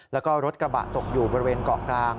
แล้วก็รถกระบะตกอยู่บริเวณเกาะกลาง